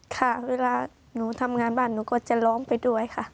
ค่ะเวลาหนูทำงานบ้านหนูก็จะร้องไปด้วยค่ะ